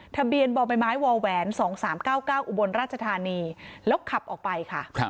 ทะเบียนบ่อใบไม้วแหวน๒๓๙๙อุบลราชธานีแล้วขับออกไปค่ะ